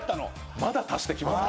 まだ足してきますか。